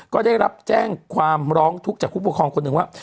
ก็ได้รับแจ้งความร้องทุกข์จากผู้ปกครองคนหนึ่งว่า